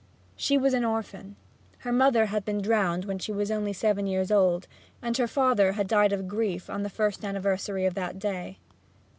She was an orphan. Her mother had been drowned when she was only seven years old and her father had died of grief on the first anniversary of that day.